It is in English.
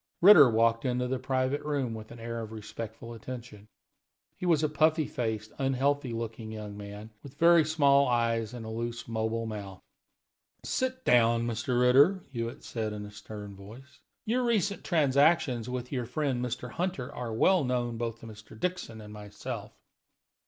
Ritter walked into the private room with an air of respectful attention. He was a puffy faced, unhealthy looking young man, with very small eyes and a loose, mobile mouth. "Sit down, Mr. Ritter," Hewitt said, in a stern voice. "Your recent transactions with your friend Mr. Hunter are well known both to Mr. Dixon and myself."